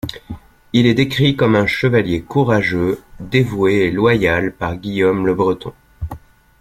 Il est décrit comme un chevalier courageux, dévoué et loyal par Guillaume Le Breton.